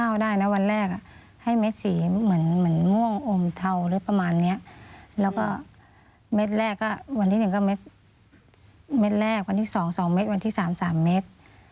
วันที่หนึ่งก็เม็ดแรกวันที่สองสองเม็ดวันที่สามสามเม็ด